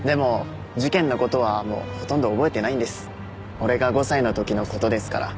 俺が５歳の時の事ですから。